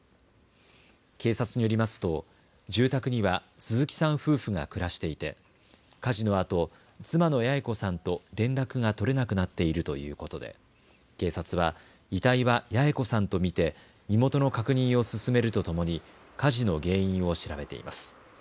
警察によりますと住宅には鈴木さん夫婦が暮らしていて火事のあと妻の八重子さんと連絡が取れなくなっているということで警察は遺体は八重子さんと見て身元の確認を進めるとともに火事の原因を調べています。